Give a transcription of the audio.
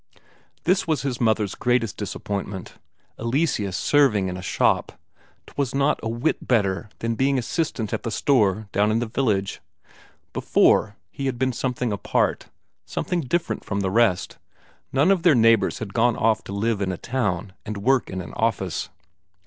This was his mother's greatest disappointment. Eleseus serving in a shop 'twas not a whit better than being assistant at the store down in the village. Before, he had been something apart, something different from the rest; none of their neighbours had gone off to live in a town and work in an office.